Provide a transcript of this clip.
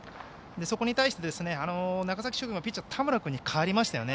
そこに対して長崎商業のピッチャーは田村君に代わりましたよね。